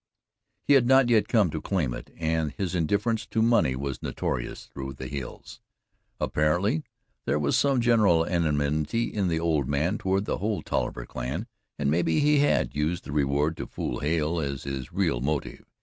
He had not yet come to claim it, and his indifference to money was notorious through the hills. Apparently there was some general enmity in the old man toward the whole Tolliver clan, and maybe he had used the reward to fool Hale as to his real motive.